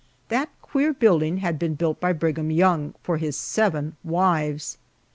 That queer building had been built by Brigham Young for his seven wives!